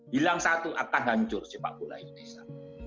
bilang satu akan hancur sepak bola indonesia